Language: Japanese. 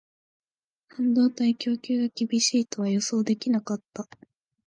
半導体供給が厳しいとは予想できなかった